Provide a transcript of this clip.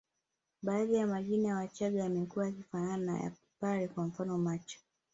Baadhi ya majina ya Wachaga yamekuwa yakifanana na ya wapare kwa mfano Machwa